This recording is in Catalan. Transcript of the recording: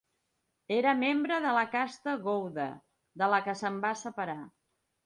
Era membre de la casta gouda, de la que se'n va separar.